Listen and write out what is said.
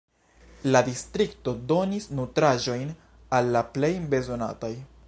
La distrikto donis nutraĵojn al la plej bezonataj.